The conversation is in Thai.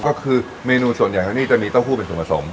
ก็คือเมนูส่วนใหญ่ที่นี่จะมีเต้าหู้เป็นส่วนผสม